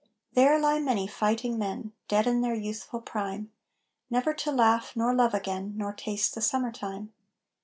There lie many fighting men, Dead in their youthful prime, Never to laugh nor love again Nor taste the Summertime.